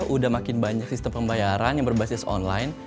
udah makin banyak sistem pembayaran yang berbasis online